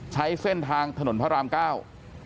ใช้เส้นทางถนนพระรามเก้า